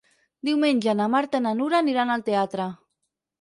Diumenge na Marta i na Nura aniran al teatre.